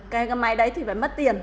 cái máy đấy thì phải mất tiền